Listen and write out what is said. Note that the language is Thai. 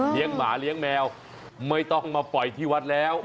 หมาเลี้ยงแมวไม่ต้องมาปล่อยที่วัดแล้ว